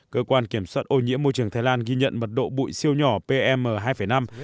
cơ quan kiểm soát ô nhiễm môi trường thái lan ghi nhận mật độ bụi siêu nhỏ pm hai năm